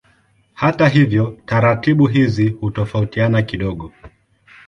Hata hivyo taratibu hizi hutofautiana kidogo.